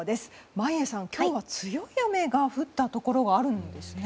眞家さん、今日は強い雨が降ったところがあるんですね。